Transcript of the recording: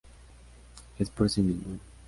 Es por sí misma.